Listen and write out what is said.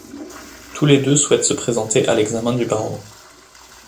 Tous les deux souhaitent se présenter à l'examen du barreau.